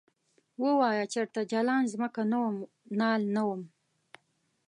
ووایه چرته جلان ځمکه نه وم نال نه وم ؟